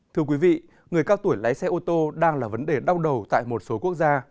thưa quý vị người cao tuổi lái xe ô tô đang là vấn đề đau đầu tại một số quốc gia